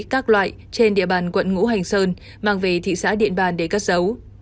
các loại trên địa bàn quận ngũ hành sơn mang về thị xã điện bàn để cất dấu